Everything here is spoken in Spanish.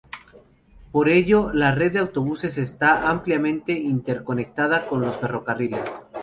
Por ello la red de autobuses está ampliamente interconectada con los ferrocarriles.